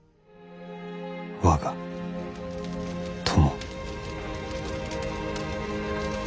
我が友。